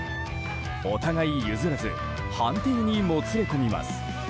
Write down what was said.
お互い譲らず判定にもつれ込みます。